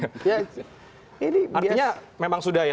artinya memang sudah ya